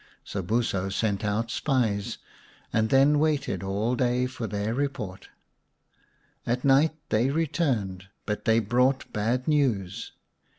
Sobuso sent out spies, and then waited all day for their report. At night they returned, but they brought bad news.